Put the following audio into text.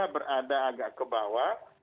berada agak ke bawah